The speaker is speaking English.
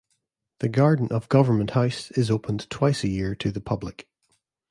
The garden of Government House is opened twice a year to the public.